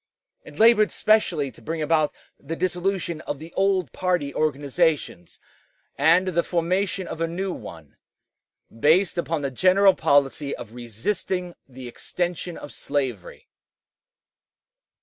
It labored specially to bring about the dissolution of the old party organizations and the formation of a new one, based upon the general policy of resisting the extension of slavery.